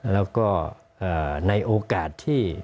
แล้วก็ในโอกาสที่